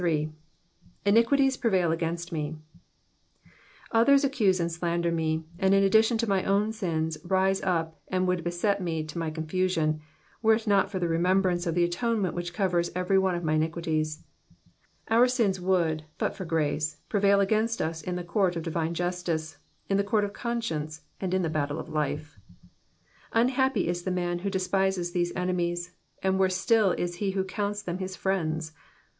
^^ Iniquities prevail against wi^." Others accuse and slander me, and in addition to my own sins rise up and would beset me to my confusion, were it not for the remembrance of the atonement which covers every one of my iniquities. Our sins would, but for grace, prevail against us in the court of divine justice, in the court of conscience, and in the battle of life. Unhappy is the man who despises these enemies, and worse still is he who counts them his friends